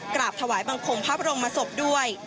กราบถวายบังคมพระบรมศพด้วย